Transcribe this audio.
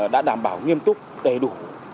đã đảm bảo nghiêm túc đầy đủ